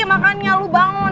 makanya lu bangun